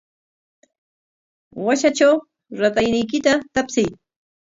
Washatraw ratayniykita tapsiy.